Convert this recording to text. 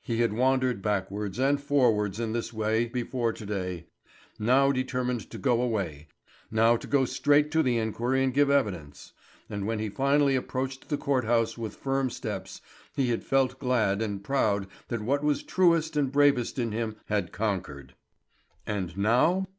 He had wandered backwards and forwards in this way before to day, now determined to go away, now to go straight to the inquiry and give evidence; and when he finally approached the court house with firm steps, he had felt glad and proud that what was truest and bravest in him had conquered. And now?